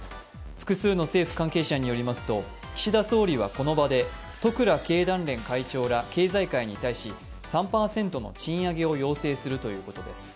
複数の政府関係者によりますと岸田総理はこの場で十倉経団連会長ら経済界に対し３％の賃上げを要請するということです。